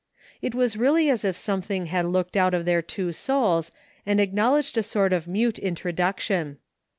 It was really as if something had looked out of their two souls and acknowledged a sort of mute introduction.